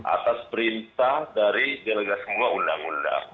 atas perintah dari delega semua undang undang